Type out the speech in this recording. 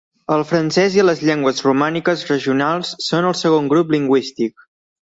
El francès i les llengües romàniques regionals són el segon grup lingüístic.